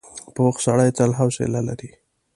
پوخ سړی تل حوصله لري